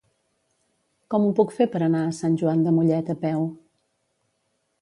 Com ho puc fer per anar a Sant Joan de Mollet a peu?